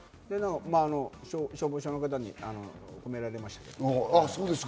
消防署の方に褒められました。